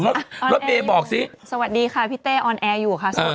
รถรถเบย์บอกสิสวัสดีค่ะพี่เต้ออนแอร์อยู่หรอค่ะอ่า